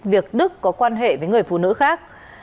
việc đức có quan hệ với người phụ nữ khác